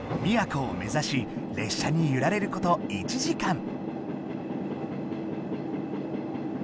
宮古を目ざし列車にゆられること１時間。